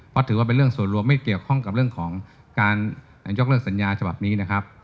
เพราะถือว่าเป็นเรื่องส่วนรวมไม่เกี่ยวข้องกับเรื่องของการยกเลิกสัญญาฉบับนี้นะครับ